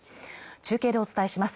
中継でお伝えします